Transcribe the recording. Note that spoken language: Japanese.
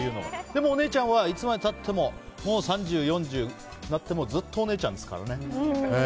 でも、お姉ちゃんはいつまで経っても３０、４０になってもずっとお姉ちゃんですからね。